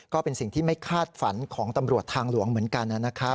ก็เป็นสิ่งที่ไม่คาดฝันของตำรวจทางหลวงเหมือนกันนะครับ